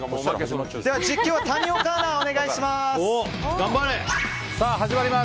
実況は谷岡アナ、お願いします。